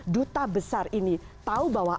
duta besar ini tahu bahwa